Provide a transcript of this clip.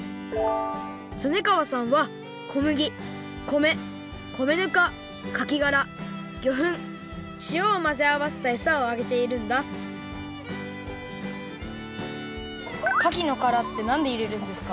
恒川さんは小麦米米ぬかかきがら魚粉しおをまぜあわせたえさをあげているんだかきのからってなんでいれるんですか？